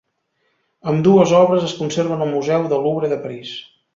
Ambdues obres es conserven al Museu del Louvre de París.